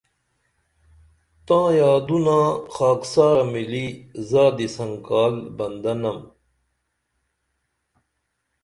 تاں یادونا خاکسارہ مِلی زادی سنکال بندہ نم